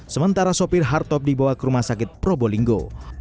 sementara sopir hartop dibawa ke rumah sakit probolinggo